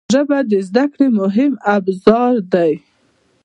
ژبه د زده کړې مهم ابزار دی